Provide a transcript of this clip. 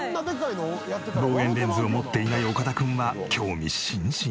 望遠レンズを持っていない岡田君は興味津々！